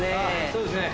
そうですね